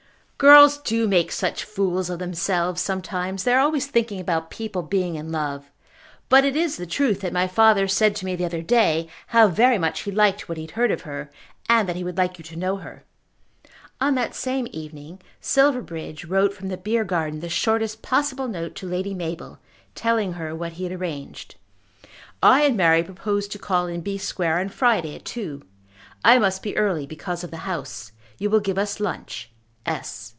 "Girls do make such fools of themselves sometimes. They are always thinking about people being in love. But it is the truth that my father said to me the other day how very much he liked what he had heard of her, and that he would like you to know her." On that same evening Silverbridge wrote from the Beargarden the shortest possible note to Lady Mabel, telling her what he had arranged. "I and Mary propose to call in B. Square on Friday at two. I must be early because of the House. You will give us lunch. S."